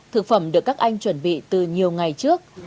thực phẩm được các anh chuẩn bị từ nhiều ngày trước